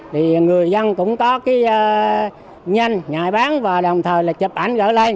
thì người dân cũng có cái nhanh ngại bán và đồng thời là chụp ảnh gỡ lên